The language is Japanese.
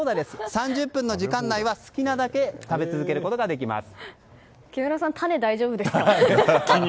３０分の時間内は好きなだけ食べ続けることができます。